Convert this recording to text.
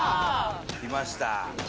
きました。